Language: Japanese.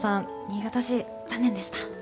新潟市、残念でした。